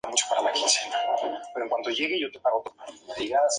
Enseguida retornó a la Corona, y ya se constituyó en Común de realengo.